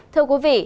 thưa quý vị